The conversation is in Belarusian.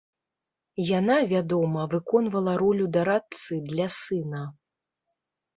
Яна, вядома, выконвала ролю дарадцы для сына.